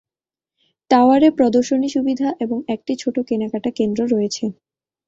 টাওয়ারে প্রদর্শনী সুবিধা এবং একটি ছোট কেনাকাটা কেন্দ্রে রয়েছে।